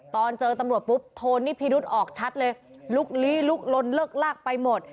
ตอนเจอตำรวจปุ๊บโทนนี่พิรุษออกชัดเลยลุกลี้ลุกลนเลิกลากไปหมด